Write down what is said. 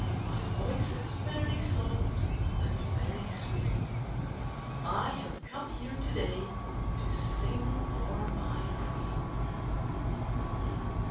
My voice is very soft and very sweet. I have come here to day to sing for my Queen.